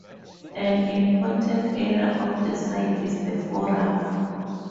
An important area of the site is the forum.